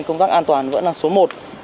công tác an toàn vẫn là số một